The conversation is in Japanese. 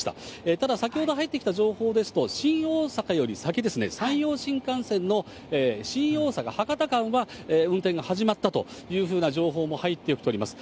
ただ、先ほど入ってきた情報ですと、新大阪より先ですね、山陽新幹線の新大阪・博多間は運転が始まったというふうな情報も入ってきております。